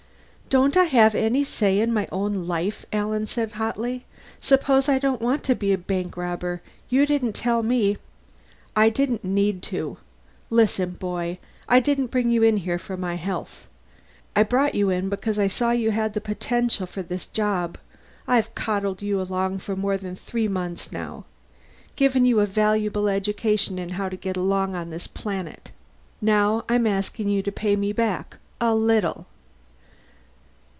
"Don't I have any say in my own life?" Alan asked hotly. "Suppose I don't want to be a bank robber? You didn't tell me " "I didn't need to. Listen, boy I didn't bring you in here for my health. I brought you in because I saw you had the potential for this job. I've coddled you along for more than three months, now. Given you a valuable education in how to get along on this planet. Now I'm asking you to pay me back, a little.